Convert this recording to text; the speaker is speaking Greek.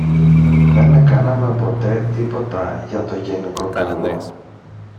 δεν εκάναμε ποτέ τίποτα για το γενικό καλό.